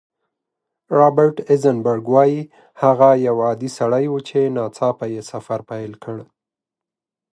رابرټ ایزنبرګ وايي، هغه یو عادي سړی و چې ناڅاپه سفر پیل کړ.